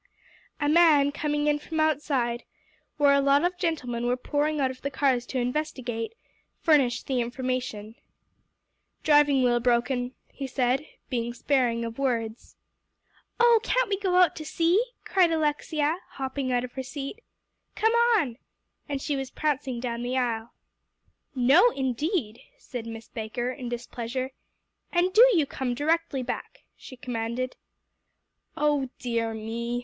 A man coming in from outside, where a lot of gentlemen were pouring out of the cars to investigate, furnished the information. "Driving wheel broken," he said, being sparing of words. "Oh, can't we go out to see?" cried Alexia, hopping out of her seat. "Come on," and she was prancing down the aisle. "No, indeed," said Miss Baker in displeasure, "and do you come directly back," she commanded. "Oh dear me!"